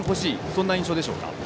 そんな印象でしょうか。